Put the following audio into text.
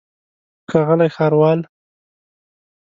ښاغلی ښاروال.